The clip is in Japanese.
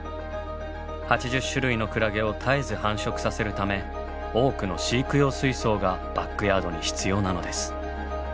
８０種類のクラゲを絶えず繁殖させるため多くの飼育用水槽がバックヤードに必要なのです。